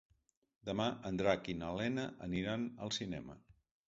Demà en Drac i na Lena aniran al cinema.